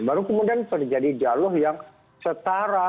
baru kemudian terjadi dialog yang setara